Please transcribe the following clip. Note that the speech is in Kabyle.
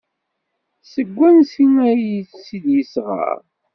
Seg wansi ay tt-id-yesɣa?